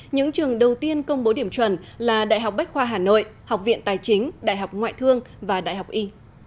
những trường đầu tiên công bố điểm chuẩn là đại học bách khoa hà nội học viện tài chính đại học ngoại thương và đại học y